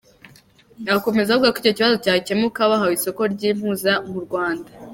Akomeza avuga ko icyo kibazo cyakemuka bahawe isoko ry’impu zo mu Rwanda.